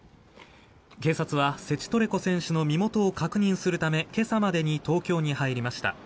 警察は、セチトレコ選手の身元を確認するため今朝までに東京に入りました。